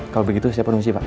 kalo begitu saya permisi pak